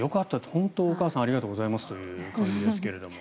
本当にお母さんありがとうございますという感じですけどね。